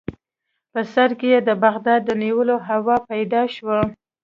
په سر کې یې د بغداد د نیولو هوا پیدا شوه.